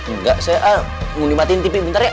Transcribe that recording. enggak saya mau dimatiin tv bentar ya